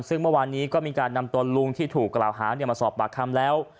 ซึ่งเมื่อวานนี้ก็มีการนำตัวลุงที่ถูกกล่าวหามาสอบปากคำแล้ว